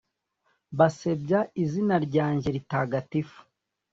basebya izina ryanjye ritagatifu,